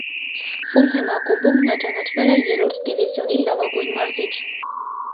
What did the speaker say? «Ֆուլհեմ» ակումբում նա ճանաչվել է երրորդ դիվիզիոնի լավագույն մարզիչ։